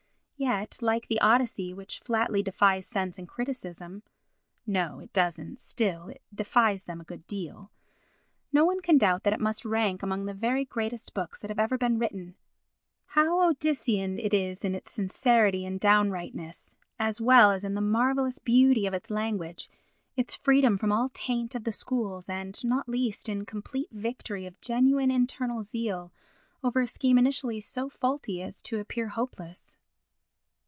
Yet, like the Odyssey, which flatly defies sense and criticism (no, it doesn't; still, it defies them a good deal), no one can doubt that it must rank among the very greatest books that have ever been written. How Odyssean it is in its sincerity and downrightness, as well as in the marvellous beauty of its language, its freedom from all taint of the schools and, not least, in complete victory of genuine internal zeal over a scheme initially so faulty as to appear hopeless.